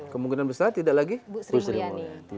kemungkinan besar tidak lagi ibu sri mulyani